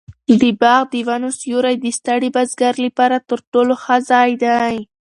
د باغ د ونو سیوری د ستړي بزګر لپاره تر ټولو ښه ځای دی.